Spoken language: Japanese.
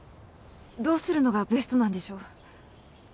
どうするのがベストなんでしょう？